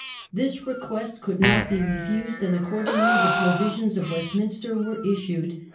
This request could not be refused, and accordingly the Pro visions of. Westminster were issued.